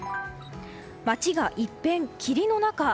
街が一変、霧の中。